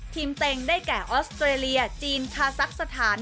เต็งได้แก่ออสเตรเลียจีนคาซักสถาน